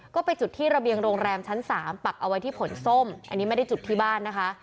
ก็ไปจุดที่ระเบียงโรงแรมชั้น๓ปักเอาไว้ที่ผลส้มอันนี้ไม่ได้จุดที่บ้านนะคะ